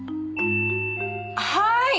はい！